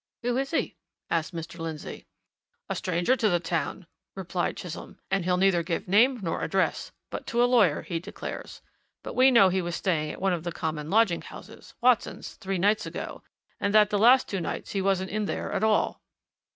"Who is he?" asked Mr. Lindsey. "A stranger to the town," replied Chisholm. "And he'll neither give name nor address but to a lawyer, he declares. But we know he was staying at one of the common lodging houses Watson's three nights ago, and that the last two nights he wasn't in there at all."